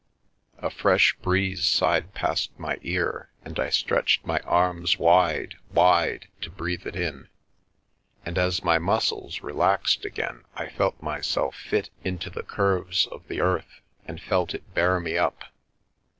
A fresh breeze sighed past my ear, and I stretched my arms wide, wide, to breathe it in, and as my muscles relaxed again I felt myself fit into the curves of the earth and felt it bear me up.